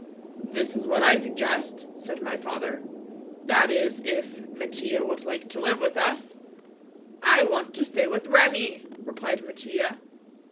"This is what I suggest," said my father, "that is if Mattia would like to live with us?" "I want to stay with Remi," replied Mattia.